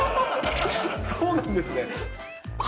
そうなんですか。